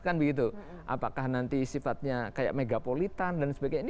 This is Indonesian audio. apakah nanti sifatnya kayak megapolitan dan sebagainya